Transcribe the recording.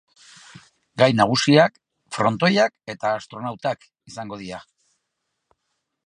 Gai nagusiak frontoiak eta astronautak izango dira.